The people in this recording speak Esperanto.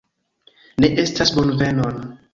Ne estas bonvenon